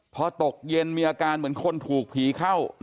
พอตกเย็นมีอาการเหมือนคนถูกผีเข้า